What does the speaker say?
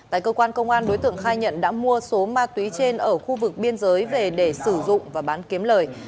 tại cơ quan công an đối tượng khai nhận đã mua số ma túy trên ở khu vực biên giới về để sử dụng và bán kiếm lời